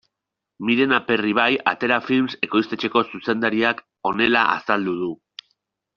Miren Aperribai Atera Films ekoiztetxeko zuzendariak honela azaldu du.